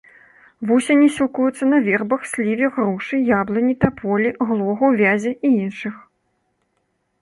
Вусені сілкуюцца на вербах, сліве, грушы, яблыні, таполі, глогу, вязе і іншых.